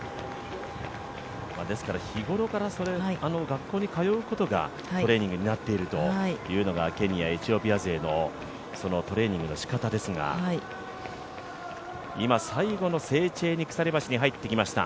ですから日頃から学校に通うことが、トレーニングになってるというのがケニア、エチオピア勢のトレーニングの仕方ですが、今、最後のセーチェーニ鎖橋に入ってきました。